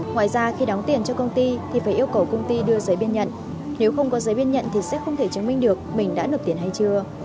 ngoài ra khi đóng tiền cho công ty thì phải yêu cầu công ty đưa giấy biên nhận nếu không có giấy biên nhận thì sẽ không thể chứng minh được mình đã nộp tiền hay chưa